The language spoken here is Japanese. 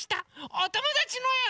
おともだちのえを。